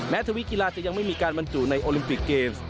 ทวิตกีฬาจะยังไม่มีการบรรจุในโอลิมปิกเกมส์